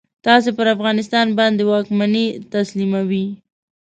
تاسې پر افغانستان باندي واکمني تسلیموي.